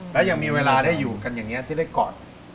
แล้วยังมีเวลาได้อยู่กันอย่างนี้ที่ได้กอด